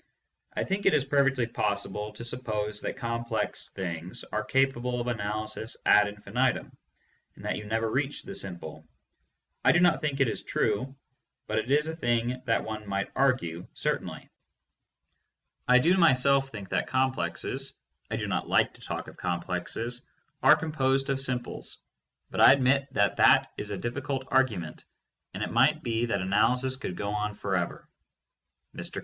I think it is per fectly possible to suppose that complex things are capable of analysis ad infinitum, and that you never reach the simple. I do not think it is true, but it is a thing that one might argue, certainly. I do myself think that complexes — I do not like to talk of complexes — but that facts are composed of simples, but I admit that that is a difficult argument, and it might be that analysis could go on forever. Mr.